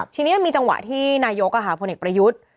ทีนี้มีจังหวะที่นายกหะภวแน็กประยุทธ์